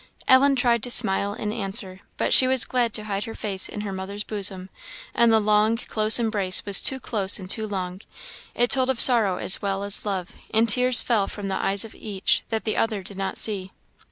Ellen tried to smile in answer, but she was glad to hide her face in her mother's bosom; and the long close embrace was too close and too long; it told of sorrow as well as love; and tears fell from the eyes of each, that the other did not see.